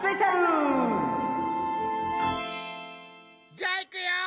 じゃあいくよ！